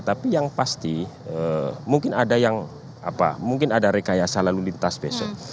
tapi yang pasti mungkin ada yang apa mungkin ada rekayasa lalu lintas besok